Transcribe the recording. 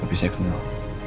tapi saya kenal